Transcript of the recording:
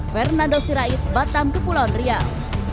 fernando sirait batam kepulauan riau